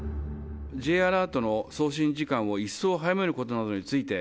Ｊアラートの送信時間を一層早めることなどについて、